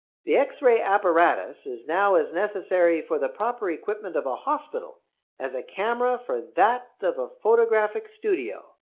The X ray apparatus is now as necessary for the proper equipment of a hospital as a camera for that of a photographic studio.